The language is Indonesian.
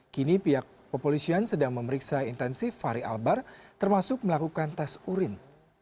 kini pihak kepolisian sedang memeriksa intensif fahri albar termasuk melakukan tes urin